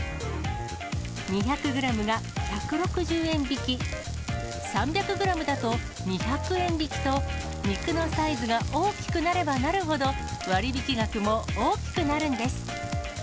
２００グラムが１６０円引き、３００グラムだと、２００円引きと、肉のサイズが大きくなればなるほど、割引額も大きくなるんです。